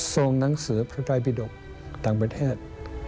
ส่งหนังสือพระไตรปรีฎกต่างประเทศ